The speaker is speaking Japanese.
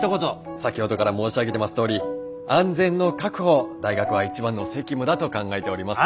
「先ほどから申し上げてますとおり安全の確保を大学は一番の責務だと考えております」。